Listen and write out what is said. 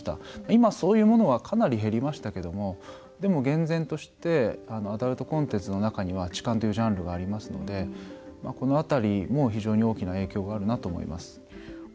今、そういうものはかなり減りましたけどもでも、厳然としてアダルトコンテンツの中には痴漢というジャンルがありますのでこの辺りも非常に大きな影響があるなと思います。